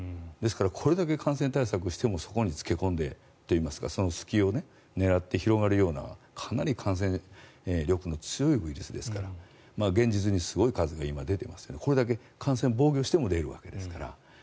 ですからこれだけ感染対策してもそこに付け込んでといいますかその隙を狙って広がるようなかなり感染力の強いウイルスですから現実にすごい数が今出ていますからこれだけ感染防御しても出るわけですから。